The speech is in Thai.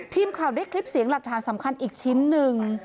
ทีมข่าวได้คลิปเสียงหลักฐานสำคัญอีกชิ้นหนึ่ง